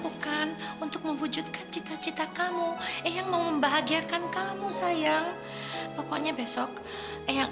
bukannya janjiannya baru besok siang